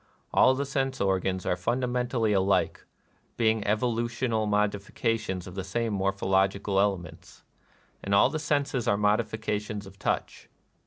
All the sense organs are fundamentally alike, being evolu tional modifications of the same morphological elements; — and all the senses are modifica tions of touch.